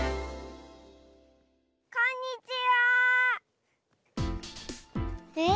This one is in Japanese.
こんにちは！え？